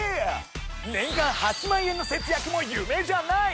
年間８万円の節約も夢じゃない！